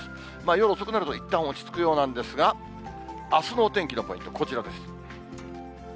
夜遅くなるといったん落ち着くようなんですが、あすのお天気のポイント、こちらです。